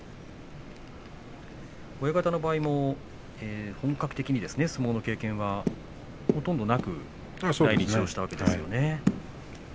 親方の場合も本格的に相撲の経験はほとんどなく来日したわけですよね。